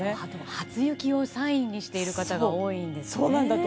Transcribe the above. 初雪をサインにしている方が多いんですね。